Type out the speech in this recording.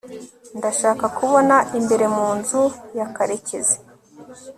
ndashaka kubona imbere mu nzu ya karekezi